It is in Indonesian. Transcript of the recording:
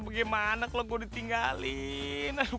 karin jangan tinggalin gue